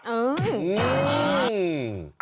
เออ